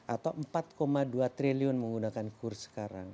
atau empat dua triliun menggunakan kurs sekarang